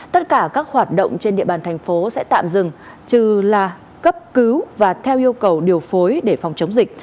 tất cả các hoạt động trên địa bàn thành phố sẽ tạm dừng trừ là cấp cứu và theo yêu cầu điều phối để phòng chống dịch